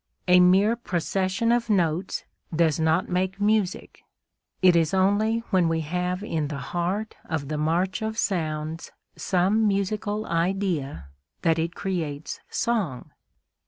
A mere procession of notes does not make music; it is only when we have in the heart of the march of sounds some musical idea that it creates song.